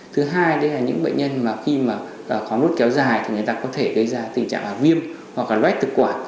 thứ hai đây là những bệnh nhân khi khó nuốt kéo dài thì người ta có thể gây ra tình trạng viêm hoặc là loét thực quản